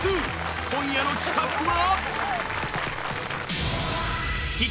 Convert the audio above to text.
今夜の企画は。